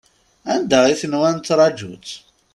Anda i tenwa nettṛaju-tt?